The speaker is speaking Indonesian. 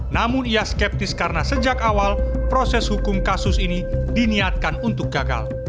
namun ia skeptis karena sejak awal proses hukum kasus ini diniatkan untuk gagal